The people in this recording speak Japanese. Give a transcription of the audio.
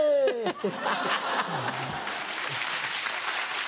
ハハハハ！